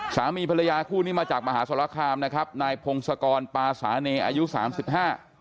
สามีภรรยาคู่นี้มาจากมหาสรคามนะครับนายพงศกรปาสาเนอายุสามสิบห้า